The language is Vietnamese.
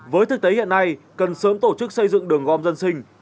với thực tế hiện nay cần sớm tổ chức xây dựng đường gom dân sinh